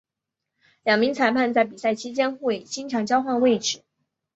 两名裁判在比赛期间会经常交换位置。